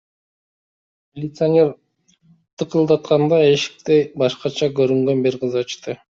Милиционер тыкылдатканда, эшикти башкача көрүнгөн бир кыз ачты.